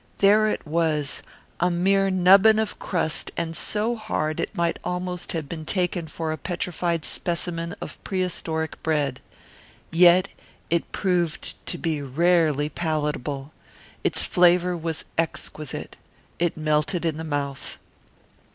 There it was, a mere nubbin of crust and so hard it might almost have been taken for a petrified specimen of prehistoric bread. Yet it proved to be rarely palatable. It's flavour was exquisite. It melted in the mouth.